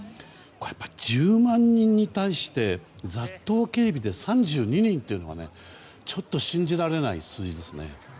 やっぱり１０万人に対して雑踏警備で３２人というのはちょっと信じられない数字です。